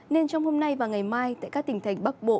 nên trong hôm nay và ngày mai tại các tỉnh thành bắc bộ